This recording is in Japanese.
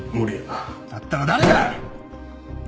だったら誰が！